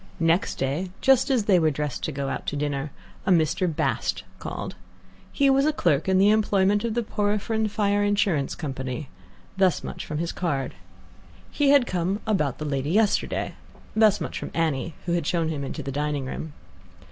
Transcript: Next day, just as they were dressed to go out to dinner, a Mr. Bast called. He was a clerk in the employment of the Porphyrion Fire Insurance Company. Thus much from his card. He had come "about the lady yesterday." Thus much from Annie, who had shown him into the dining room.